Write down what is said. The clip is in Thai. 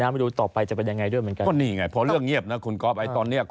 ไม่รู้ต่อไปจะเป็นยังไงด้วย